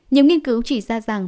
nhiều nghiên cứu chỉ ra rằng